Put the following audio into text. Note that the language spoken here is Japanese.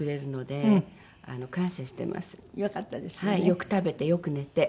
よく食べてよく寝て。